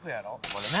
これね。